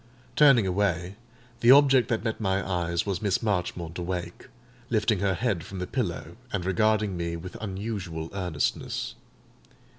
Turning away, the object that met my eyes was Miss Marchmont awake, lifting her head from the pillow, and regarding me with unusual earnestness.